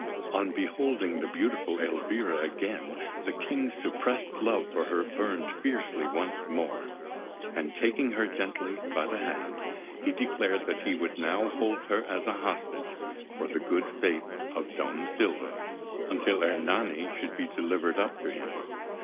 On beholding the beautiful Elvira again the King's suppressed love for her burned fiercely once more; and, taking her gently by the hand, he declared that he would now hold her as a hostage for the good faith of Don Silva, until Ernani should be delivered up to him.